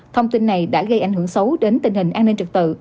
thông tin này đã gây ảnh hưởng xấu đến tình hình an ninh trật tự